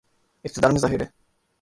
اقتدار میں ظاہر ہے۔